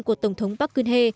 của tổng thống park geun hye